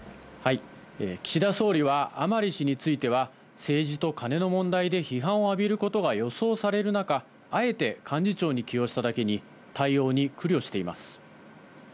岸田総理は、甘利氏については、政治とカネの問題で批判を浴びることが予想される中、あえて幹事長に起用しただけに、対応に苦慮しています。